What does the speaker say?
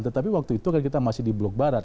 tetapi waktu itu kan kita masih di blok barat